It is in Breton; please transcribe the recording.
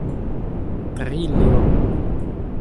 tri levr.